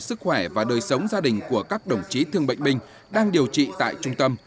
sức khỏe và đời sống gia đình của các đồng chí thương bệnh binh đang điều trị tại trung tâm